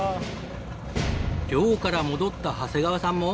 漁から戻った長谷川さんも。